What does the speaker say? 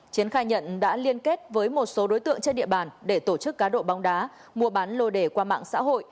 chiến khai nhận đã liên kết với một số đối tượng trên địa bàn để tổ chức cá độ bóng đá mua bán lô đề qua mạng xã hội